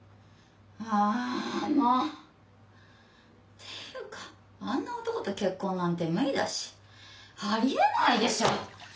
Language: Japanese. あもう！っていうかあんな男と結婚なんて無理だしありえないでしょ